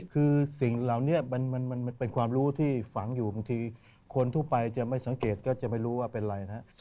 คือสิ่งเหล่านี้มันเป็นความรู้ที่ฝังอยู่บางทีคนทั่วไปจะไม่สังเกตก็จะไม่รู้ว่าเป็นอะไรนะครับ